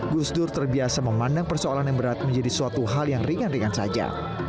gus dur terbiasa memandang persoalan yang berat menjadi suatu hal yang ringan ringan saja